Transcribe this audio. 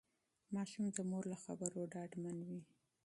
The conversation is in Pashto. ماشوم د مور له خبرو ډاډمن وي.